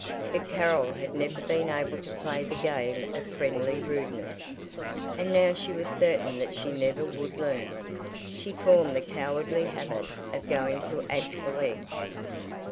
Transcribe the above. But Carol had never been able to play the game of friendly rudeness; and now she was certain that she never would learn it. She formed the cowardly habit of going to Axel Egge's.